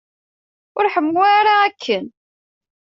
Ur ḥemmu ara akken.